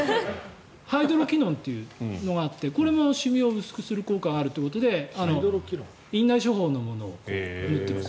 ハイドロキノンというのがあってこれもシミを薄くする効果があって院内処方のものを塗ってます。